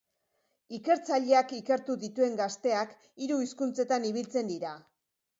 Ikertzaileak ikertu dituen gazteak hiru hizkuntzetan ibiltzen dira.